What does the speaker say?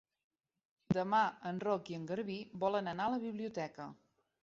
Demà en Roc i en Garbí volen anar a la biblioteca.